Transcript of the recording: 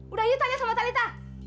udah yuk tanya sama talitha